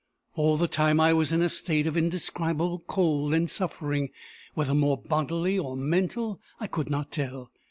All the time, I was in a state of indescribable cold and suffering, whether more bodily or mental I could not tell.